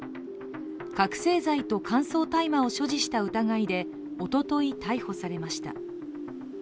覚醒剤と乾燥大麻を所持した疑いでおととい逮捕されました。